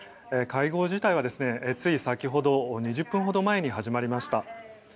会合自体はつい先ほど２０分ほど前に始まりました。